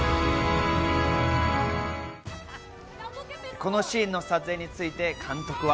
このシーンの撮影について監督は。